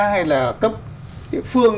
hay là cấp địa phương